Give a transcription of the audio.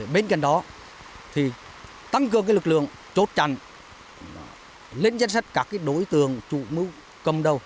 bên cạnh đó tăng cường lực lượng chốt trần lên dân sách các đối tượng trụ mưu cầm đầu